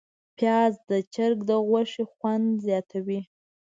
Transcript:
پیاز د چرګ غوښې خوند زیاتوي